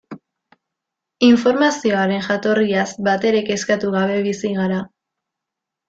Informazioaren jatorriaz batere kezkatu gabe bizi gara.